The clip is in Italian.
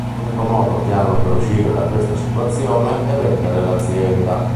L'unico modo che hanno per uscire da questa situazione è vendere l'azienda.